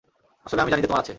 আসলে, আমি জানি যে তোমার আছে।